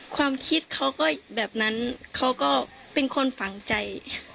ความคิดเขาก็แบบนั้นเขาก็เป็นคนฝังใจ